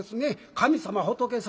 「神様仏様」。